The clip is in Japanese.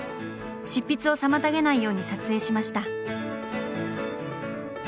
執筆を妨げないように撮影しました。